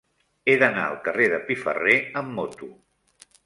He d'anar al carrer de Piferrer amb moto.